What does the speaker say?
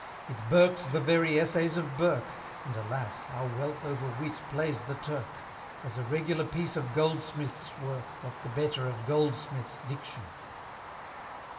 It Burked the very essays of Burke, And, alas! how Wealth over Wit plays the Turk! As a regular piece of goldsmith's work, Got the better of Goldsmith's diction.